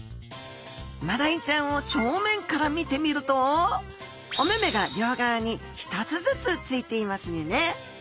マダイちゃんを正面から見てみるとお目々が両側に１つずつついていますよね。